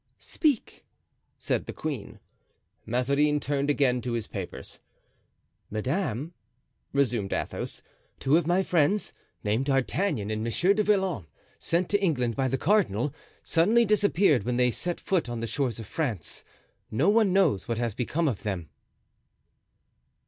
"Speak," said the queen. Mazarin turned again to his papers. "Madame," resumed Athos, "two of my friends, named D'Artagnan and Monsieur du Vallon, sent to England by the cardinal, suddenly disappeared when they set foot on the shores of France; no one knows what has become of them."